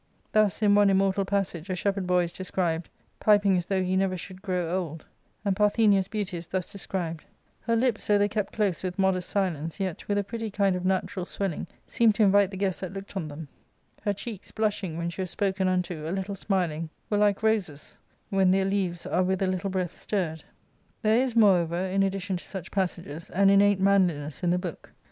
Thus, in one immortal passage, a shepherd boy is described "piping as though he never should grow old;" and Parthenia's beauty is thus described —" Her lips, though they kept close with modest silence, yet, with a pretty kind of natural swelling, seemed to invite the guests that looked on them; her cheeks, blushing when she was spoken unto, a little smiling, were like roses^ when their b xviii Introductory a nd Biographical Essay, k^Uje& 4u:&jwM ^t littk^bfmt^^ There is, more over, in addition to such passages, an innate manliness in the book.